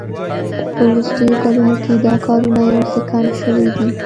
په وروستیو کلونو کې دا کارونه یو څه کم شوي دي